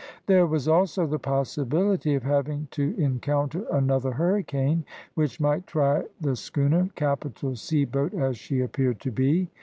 There was also the possibility of having to encounter another hurricane, which might try the schooner, capital sea boat as she appeared to be.